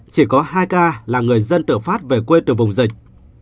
chỉ có hai ca là người dân tự phát về quê từ vùng dịch